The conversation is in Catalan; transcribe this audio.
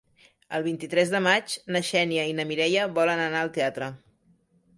El vint-i-tres de maig na Xènia i na Mireia volen anar al teatre.